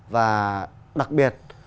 và đặc biệt là trải qua thời gian